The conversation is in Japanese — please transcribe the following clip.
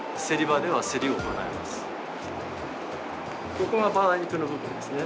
ここがバラ肉の部分ですね。